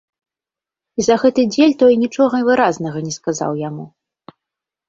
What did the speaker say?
І за гэты дзель той нічога выразнага не сказаў яму.